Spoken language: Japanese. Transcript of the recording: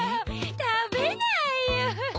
たべないよ。